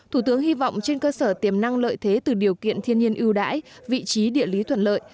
thủ tướng hy vọng trên cơ sở tiềm năng lợi thế từ điều kiện thiên nhiên ưu đãi vị trí địa lý thuận lợi